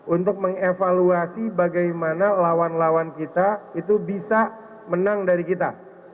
untuk mengevaluasi bagaimana lawan lawan kita itu bisa menang dari kita